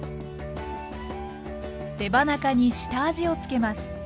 手羽中に下味を付けます。